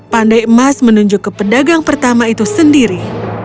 pandai emas menunjuk ke pedagang pertama itu sendiri